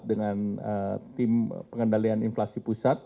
dengan tim pengendalian inflasi pusat